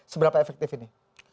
seberapa efektif ini